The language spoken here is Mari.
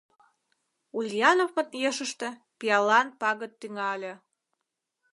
Ульяновмыт ешыште пиалан пагыт тӱҥале.